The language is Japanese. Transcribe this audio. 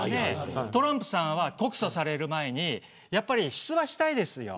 トランプさんは告訴される前にやっぱり出馬したいですよ。